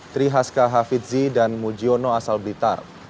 trihaska hafidzi dan mujiono asal blitar